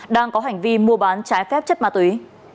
đang có hành vi mua bán trái phép chất ma túy